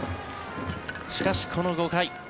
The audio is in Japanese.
しかし、この５回。